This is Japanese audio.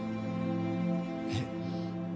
えっ？